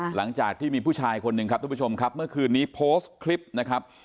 หลังจากที่มีผู้ชายคนหนึ่งครับทุกผู้ชมครับเมื่อคืนนี้โพสต์คลิปนะครับ